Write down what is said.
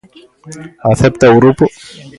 ¿Acepta o grupo?